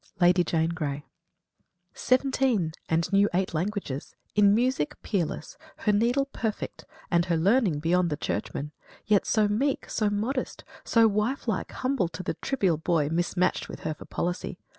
VII LADY JANE GREY "Seventeen and knew eight languages in music Peerless her needle perfect, and her learning Beyond the Churchmen; yet so meek, so modest, So wife like humble to the trivial boy Mismatched with her for policy!